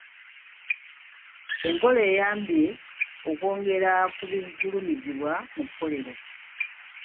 Enkola eyambye okwongera ku bigulumizibwa mu kkolero.